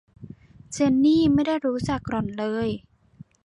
เจนนี่ไม่ได้รู้จักหล่อนเลย